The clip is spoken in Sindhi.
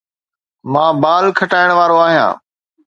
مان بال کٽائڻ وارو آهيان